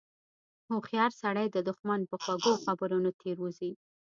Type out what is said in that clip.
هوښیار سړی د دښمن په خوږو خبرو نه تیر وځي.